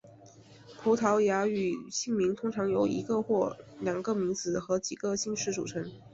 葡萄牙语姓名通常由一个或两个名字和几个姓氏组成。